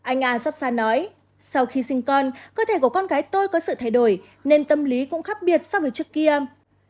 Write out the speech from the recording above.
anh a xót xa nói sau khi sinh con cơ thể của con gái tôi có sự thay đổi nên tâm lý cũng khác biệt so với trước kia